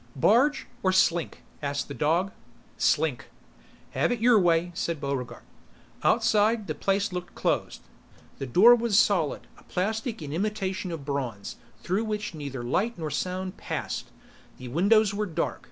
"Barge, or slink?" asked the dog. "Slink." "Have it your way," said Buregarde. Outside, the place looked closed. The door was solid, a plastic in imitation of bronze through which neither light nor sound passed. The windows were dark.